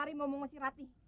kebetulan untuk putin